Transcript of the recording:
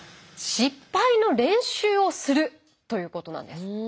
失敗の練習をするということなんです。